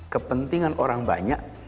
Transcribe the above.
kepentingan orang banyak